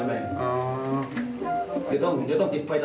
ไม่ต้องติดไฟตลอดแต่ว่าต้องติดไฟตลอด